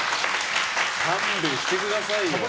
勘弁してくださいよ。